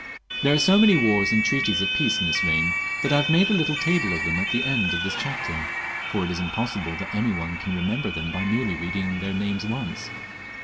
There are so many wars and treaties of peace in this reign, that I have made a little table of them at the end of this chapter, for it is impossible that any one can remem ber them by merely reading their names once.